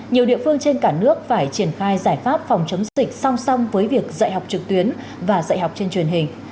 nhiều địa phương trên cả nước phải triển khai giải pháp phòng chống dịch song song với việc dạy học trực tuyến và dạy học trên truyền hình